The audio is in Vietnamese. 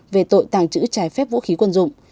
về tội tàng trữ trái phép vũ khí quân dụng